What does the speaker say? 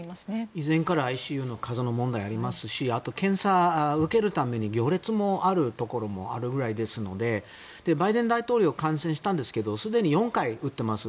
以前からＩＣＵの数の問題もありますしあと、検査を受けるために行列もあるところもあるくらいですのでバイデン大統領が感染したんですけどすでに４回打っています